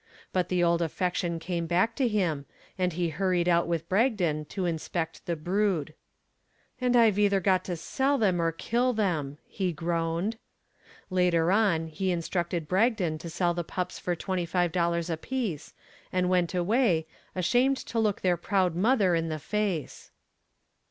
But the old affection came back to him, and he hurried out with Bragdon to inspect the brood. "And I've either got to sell them or kill them," he groaned. Later on he instructed Bragdon to sell the pups for $25 apiece, and went away, ashamed to look their proud mother in the face.